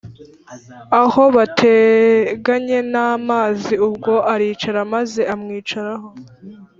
aho bateganye n’amazi ubwo aricara maze amwicaraho